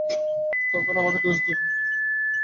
তখন আমাকে দোষ দিয়ো না।